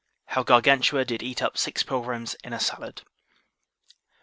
How Gargantua did eat up six pilgrims in a salad.